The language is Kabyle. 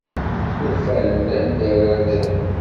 Ufan-d anda ara ddren.